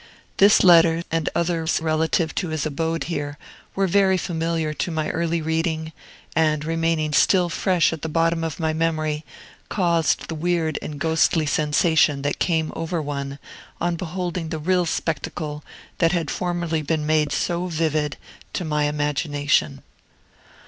This letter, and others relative to his abode here, were very familiar to my earlier reading, and, remaining still fresh at the bottom of my memory, caused the weird and ghostly sensation that came over one on beholding the real spectacle that had formerly been made so vivid to my imagination.